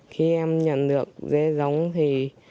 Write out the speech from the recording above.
khi em nhận được dê giống thì